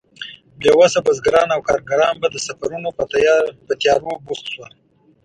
بې وسه بزګران او کارګران به د سفرونو په تيارو بوخت شول.